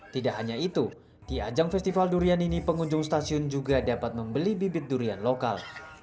tidak hanya itu di ajang festival durian ini pengunjung stasiun juga dapat membeli bibit durian lokal